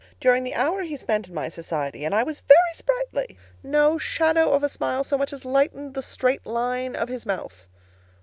During the hour he spent in my society (and I was very sprightly) no shadow of a smile so much as lightened the straight line of his mouth.